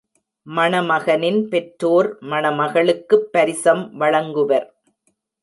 மணமகனின் பெற்றோர் மணமகளுக்குப் பரிசம் வழங்குவர்.